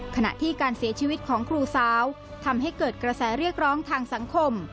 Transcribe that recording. ขณะที่การเสียชีวิตของครูสาวทำให้เกิดกระแสเรียกร้องทางสังคม